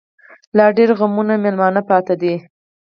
لا ډيـر غمـــــونه مېلـــمانه پــاتې دي